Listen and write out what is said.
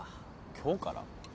今日から？